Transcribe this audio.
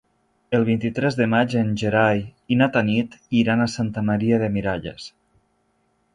El vint-i-tres de maig en Gerai i na Tanit iran a Santa Maria de Miralles.